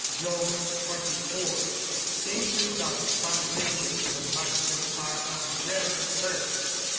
JOB XXIV.] Cases of spontaneous combustion are of rare occurrence.